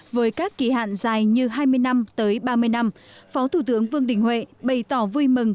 với các kỳ hạn dài như hai mươi năm tới ba mươi năm phó thủ tướng vương đình huệ bày tỏ vui mừng